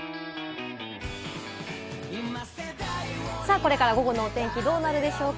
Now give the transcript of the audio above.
これから午後のお天気、どうなるでしょうか？